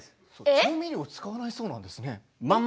調味料を使わないそうなんですね。